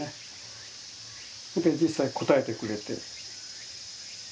それで実際応えてくれて。